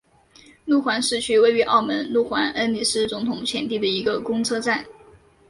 路环市区位于澳门路环恩尼斯总统前地的一个公车站。